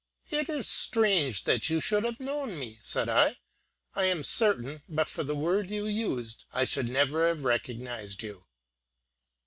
"It is strange that you should have known me," said I. "I am certain, but for the word you used, I should never have recognized you."